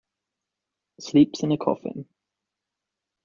Sleeps in a coffin.